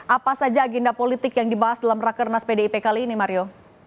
apa saja agenda politik yang dibahas dalam rakernas pdip kali ini mario